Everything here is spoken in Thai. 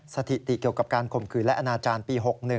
สถิติเกี่ยวกับการข่มขืนและอนาจารย์ปี๖๑